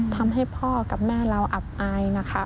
ทำให้พ่อกับแม่เราอับอายนะคะ